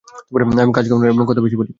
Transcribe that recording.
আমি কাজ কম করি, এবং কথা বেশি বলি।